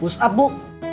push up bu